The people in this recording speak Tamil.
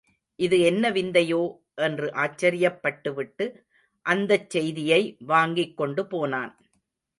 இது என்ன விந்தையோ? என்று ஆச்சரியப்பட்டுவிட்டு, அந்தச் செய்தியை வாங்கிக் கொண்டு போனான்.